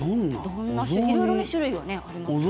いろいろ種類がありますけど。